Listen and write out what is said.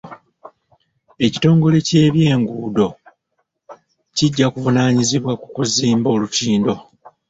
Ekitongole ky'ebyenguudo kijja kuvunaanyizibwa ku kuzimba olutindo.